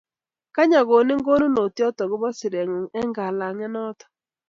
kany akonin kakononutiot akobo siret ng'ung' eng kalang'et noto